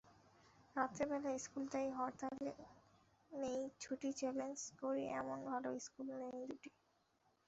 রাতের বেলার ইশকুল তাই হরতালে নেই ছুটিচ্যালেঞ্জ করি এমন ভালো ইশকুল নেই দুটি।